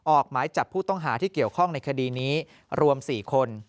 ออกหมายจับผู้ต้องหาที่เกี่ยวข้องในคดีนี้รวม๔คน